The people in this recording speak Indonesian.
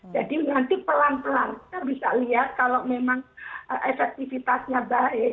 jadi nanti pelan pelan kita bisa lihat kalau memang efektivitasnya baik